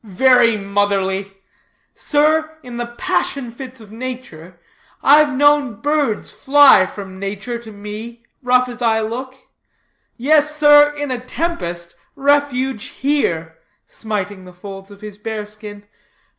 "Very motherly! Sir, in the passion fits of nature, I've known birds fly from nature to me, rough as I look; yes, sir, in a tempest, refuge here," smiting the folds of his bearskin.